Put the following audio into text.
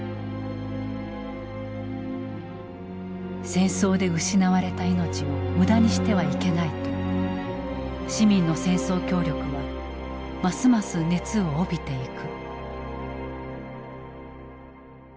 戦争で失われた命を無駄にしてはいけないと市民の戦争協力はますます熱を帯びていく。